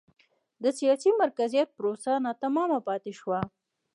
د سیاسي مرکزیت پروسه ناتمامه پاتې شوه.